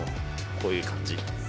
こういう感じ。